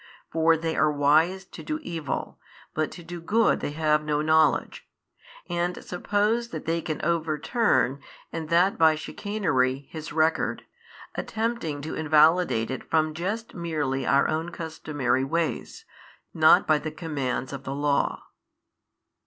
For they are wise to do evil, but to do good they have no knowledge, and suppose that they can overturn and that by chicanery His record, attempting to invalidate it from just merely our own customary ways, not by the commands of the Law.